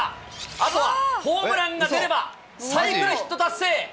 あとホームランが出れば、サイクルヒット達成。